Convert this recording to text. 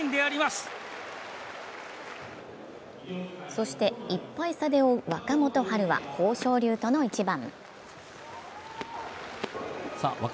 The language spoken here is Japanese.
そして１敗差で追う若元春は豊昇龍との一番。